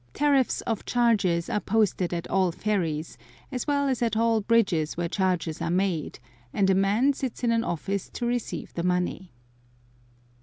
Tariffs of charges are posted at all ferries, as well as at all bridges where charges are made, and a man sits in an office to receive the money.